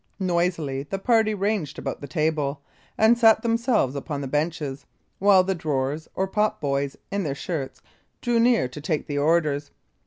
Noisily the party ranged about the table, and sat themselves upon the benches, while the drawers, or potboys, in their shirts, drew near to take the orders.